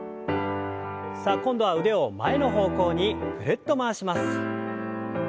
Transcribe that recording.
さあ今度は腕を前の方向にぐるっと回します。